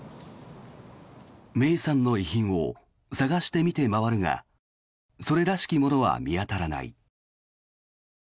芽生さんの遺品を探して見て回るがそれらしきものは見当たらない。